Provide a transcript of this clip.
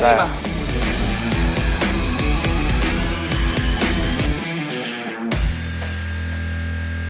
สวัสดีครับ